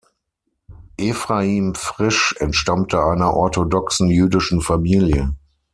Efraim Frisch entstammte einer orthodoxen jüdischen Familie.